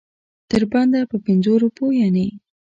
تر بنده په پنځو روپو یعنې.